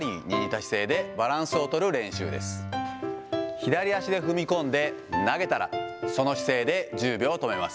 左足で踏み込んで、投げたら、その姿勢で１０秒止めます。